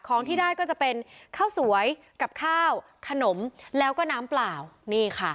ของที่ได้ก็จะเป็นข้าวสวยกับข้าวขนมแล้วก็น้ำเปล่านี่ค่ะ